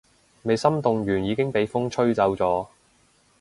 未心動完已經畀風吹走咗